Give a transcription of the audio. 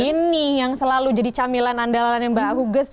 ini yang selalu jadi camilan andalan mbak hugus